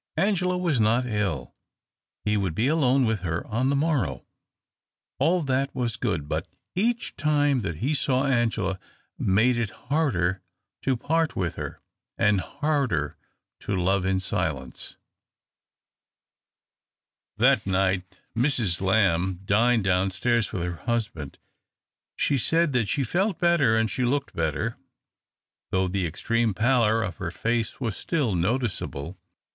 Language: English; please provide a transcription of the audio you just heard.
Angela was not ill — he would be alone with her on the morrow. All that was good. But each time that he saw Angela made it harder to part with her, and harder to love in silence. That night Mrs. Lamb dined downstairs with her husband. She said that she felt better and she looked better, though the extreme pallor of her face was still noticeable.